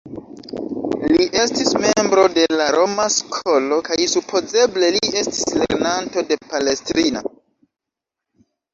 Li estis membro de la Roma Skolo, kaj supozeble li estis lernanto de Palestrina.